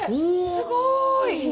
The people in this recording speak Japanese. すごい！